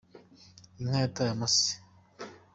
Inka yataye amase.